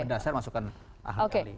berdasar masukan ahli